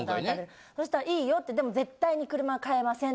そしたら「いいよ。でも絶対に車は替えません」